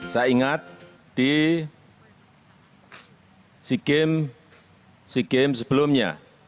saya ingat di sea games sebelumnya